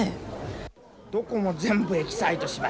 どこも全部エキサイトしましたね。